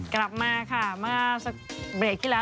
กลับมาค่ะพอเรียกที่แล้ว